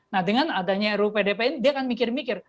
nah dengan adanya ruu pdp ini dia akan mikir mikir